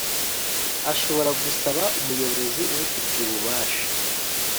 ashobora gusaba umuyobozi ubifitiye ububasha